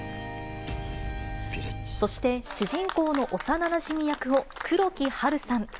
そして、主人公の幼なじみ役を黒木華さん。